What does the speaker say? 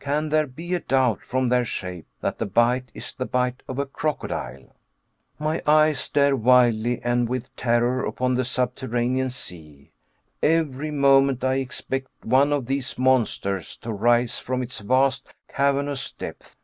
Can there be a doubt from their shape that the bite is the bite of a crocodile? My eyes stare wildly and with terror upon the subterranean sea. Every moment I expect one of these monsters to rise from its vast cavernous depths.